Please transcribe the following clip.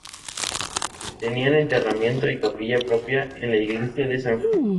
Tenían enterramiento y capilla propia en la Iglesia de San Juan.